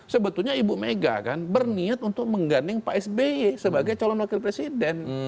sebetulnya ibu mega kan berniat untuk mengganding pak sby sebagai calon wakil presiden